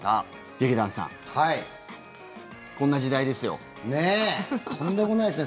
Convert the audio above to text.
劇団さん、こんな時代ですよ。ね。